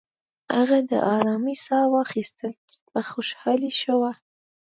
هغې د آرامی ساه واخیستل، په خوشحالۍ شوه.